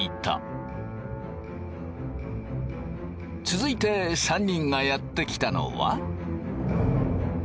続いて３人がやって来たのは。